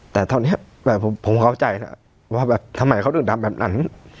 แต่เท่านี้ผมเข้าใจนะว่าแบบทำไมเขาถึงทำแบบนั้น